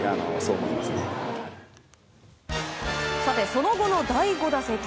その後の第５打席